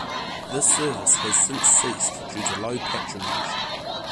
This service has since ceased due to low patronage.